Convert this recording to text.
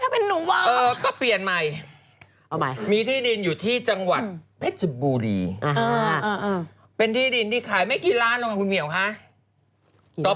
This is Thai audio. เป็นที่ที่หนึ่งที่ขายไม่กี่ล้านเลยคุณเมียวคะ